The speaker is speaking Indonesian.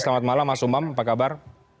selamat malam mas umam apa kabar